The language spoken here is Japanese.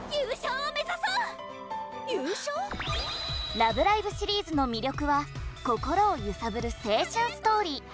優勝⁉「ラブライブ！」シリーズの魅力は心を揺さぶる青春ストーリー。